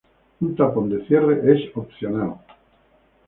Un tapón de cierre es opcional.